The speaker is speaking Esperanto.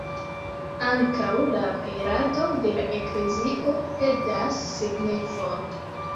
Ankaŭ la perado de la Eklezio perdas signifon.